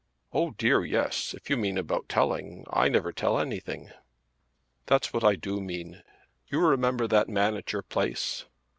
"Oh dear, yes. If you mean about telling, I never tell anything." "That's what I do mean. You remember that man at your place?"